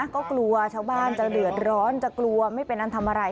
ก็กลัวชาวบ้านจะเดือดร้อนจะกลัวไม่เป็นอันทำอะไร